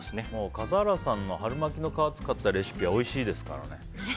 笠原さんの春巻きの皮を使ったレシピはおいしいですからね。